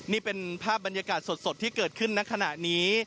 นี่เป็นภาพบรรยากาศสดที่เกิดขึ้นในขณะนี้